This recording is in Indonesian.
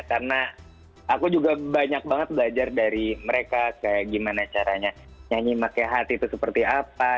karena aku juga banyak banget belajar dari mereka kayak gimana caranya nyanyi maka hati itu seperti apa